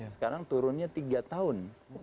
sekarang turunnya tiga tahun